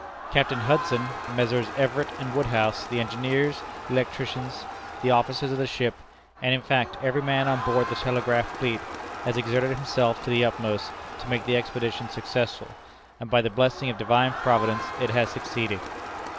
"Captain Hudson, Messrs. Everett and Woodhouse, the engineers, the electricians, the officers of the ship, and in fact, every man on board the telegraph fleet, has exerted himself to the utmost to make the expedition successful, and by the blessing of Divine Providence it has succeeded.